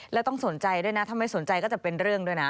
แล้วต้องสนใจด้วยนะถ้าไม่สนใจก็จะเป็นเรื่องด้วยนะ